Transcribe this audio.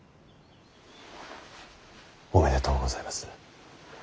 おめでとうございます。